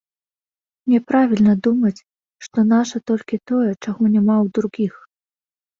Няправільна думаць, што наша толькі тое, чаго няма ў другіх.